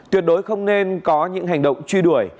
tuyệt đối không nên có những hành động truy đuổi